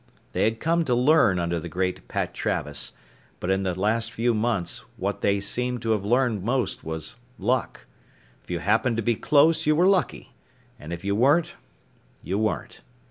They had come to learn under the great Pat Travis, but in the last few months what they seemed to have learned most was Luck: if you happened to be close you were lucky and if you weren't you weren't.